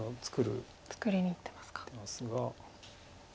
作りにいってますか。